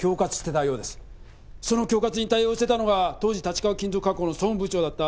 その恐喝に対応していたのが当時立川金属加工の総務部長だった。